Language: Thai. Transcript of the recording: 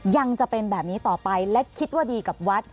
ยังจะเป็นแบบนี้ต่อไปและคิดว่าดีกับวัด